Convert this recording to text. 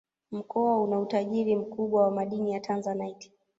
Mkoa una utajiri mkubwa wa madini ya Tanzanite